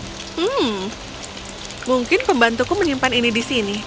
hmm mungkin pembantuku menyimpan ini di sini